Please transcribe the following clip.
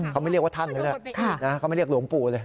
เขาไม่เรียกว่าท่านเลยนะเขาไม่เรียกหลวงปู่เลย